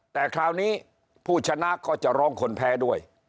แต่คราวนี้ผู้ชนะก็จะร้องคนแพ้ด้วย